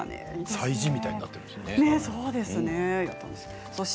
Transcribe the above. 祭事みたいになってるんですねきっと。